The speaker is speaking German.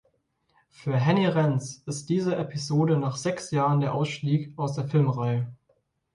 Für Henny Reents ist diese Episode nach sechs Jahren der Ausstieg aus der Filmreihe.